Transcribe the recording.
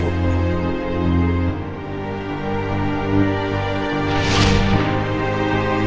oh dia sudah disimpan